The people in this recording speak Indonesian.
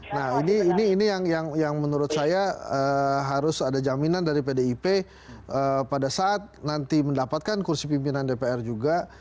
nah ini yang menurut saya harus ada jaminan dari pdip pada saat nanti mendapatkan kursi pimpinan dpr juga